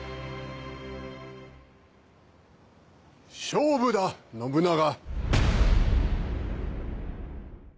勝負だ信長。